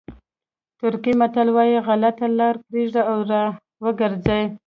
ترکي متل وایي غلطه لاره پرېږدئ او را وګرځئ.